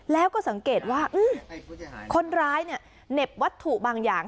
แล้วก็สังเกตว่าคนร้ายเนี่ยเหน็บวัตถุบางอย่าง